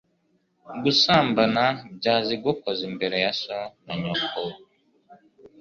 gusambana, byazigukoza imbere ya so na nyoko